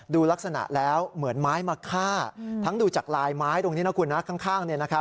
ดูลักษณะแล้วเหมือนไม้มาฆ่าทั้งดูจากลายไม้ตรงนี้นะคุณนะข้าง